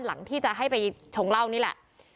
หลังที่จะให้ไปชงเหล้านี่แหละ